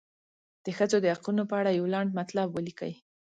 د ښځو د حقونو په اړه یو لنډ مطلب ولیکئ.